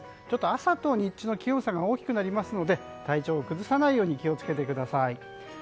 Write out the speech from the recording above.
ちょっと朝と日中の気温差が大きくなりますので体調を崩さないように気をつけてください。